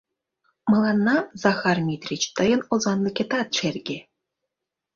— Мыланна, Захар Митрич, тыйын озанлыкетат шерге.